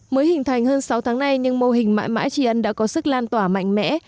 mới hình thành hơn sáu tháng nay nhưng mô hình mãi mãi tri ân đã có sức lan tỏa mạnh mẽ